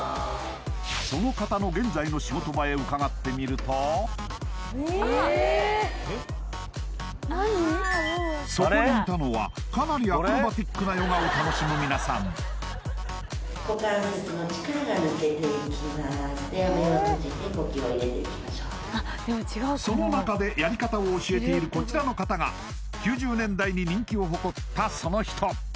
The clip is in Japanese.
その方の現在の仕事場へ伺ってみるとそこにいたのはかなりアクロバティックなヨガを楽しむ皆さんその中でやり方を教えているこちらの方が９０年代に人気を誇ったその人